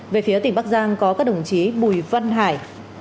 về phía tỉnh bắc giang có các đồng chí bùi văn hải